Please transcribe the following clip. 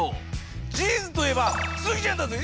ジーンズといえばスギちゃんだぜぇ